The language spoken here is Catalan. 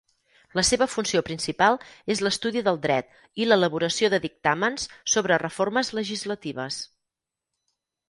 La seva funció principal és l'estudi del dret i l'elaboració de dictàmens sobre reformes legislatives.